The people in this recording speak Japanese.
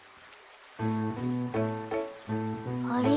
あれ？